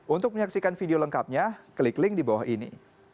untuk menyaksikan video lengkapnya klik link di bawah ini